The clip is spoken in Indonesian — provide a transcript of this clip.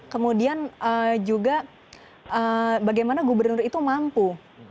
kemudian juga bagaimana gubernur itu mampu